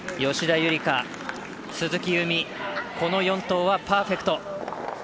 吉田夕梨花鈴木夕湖、この４投はパーフェクト。